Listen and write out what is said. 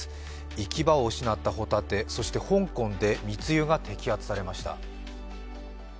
行き場を失った帆立て、そして香港で密輸が摘発されました。